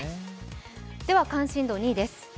関心度２位です。